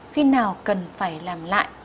khi nào cần phải làm lại